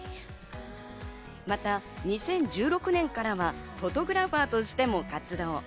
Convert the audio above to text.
また、２０１６年からはフォトグラファーとしても活動。